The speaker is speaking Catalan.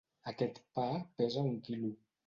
Aquest pa pesa un quilo.